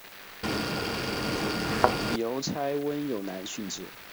邮差温勇男殉职。